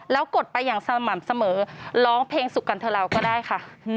แล้วกดไปอย่างสม่ำเสมอร้องเพลงสุขกันเถอะเราก็ได้ค่ะ